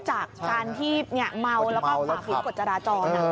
จากการที่เมาแล้วก็ฝ่าฝืนกฎจราจร